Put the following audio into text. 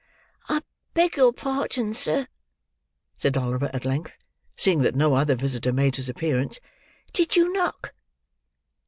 "I beg your pardon, sir," said Oliver at length: seeing that no other visitor made his appearance; "did you knock?"